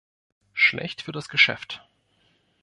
Schlecht für das Geschäft.